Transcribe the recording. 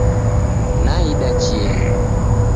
Naida Chieni.